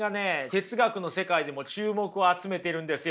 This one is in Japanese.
哲学の世界でも注目を集めてるんですよ。